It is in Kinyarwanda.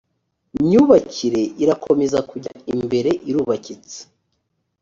myubakire irakomeza kujya imbere irubakitse